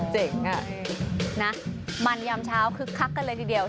เจ๋งอะมันยำเช้าคึกคักกันเลยทีเดียว